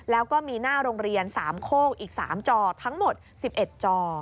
แล้วก็มีหน้าโรงเรียน๓โคกอีก๓จอทั้งหมด๑๑จอ